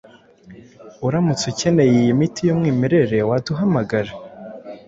uramutse ukeneye iyi miti y’umwimerere waduhamagara